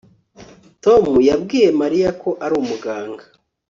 Tom yabwiye Mariya ko ari umuganga